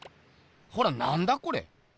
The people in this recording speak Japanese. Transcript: ほらなんだこれ？